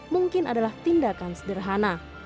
mungkin adalah tindakan sederhana